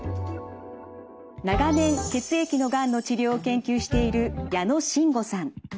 長年血液のがんの治療を研究している矢野真吾さん。